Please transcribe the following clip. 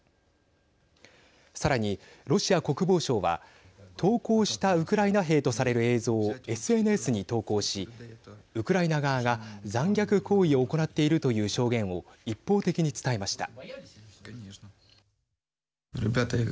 さらに、ロシア国防省は投降したウクライナ兵とされる映像をＳＮＳに投稿しウクライナ側が残虐行為を行っているという証言を一方的に伝えました。